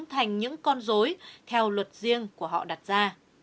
thành những con dối theo luật riêng của họ đặt ra